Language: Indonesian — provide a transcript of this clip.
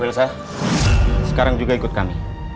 elsa sekarang juga ikut kami